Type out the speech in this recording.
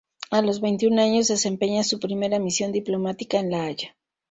A los veintiún años desempeña su primera misión diplomática en La Haya.